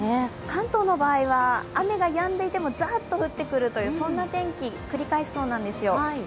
関東の場合は雨がやんでいてもザーッと降ってくる天気を繰り返しそうなんですよ。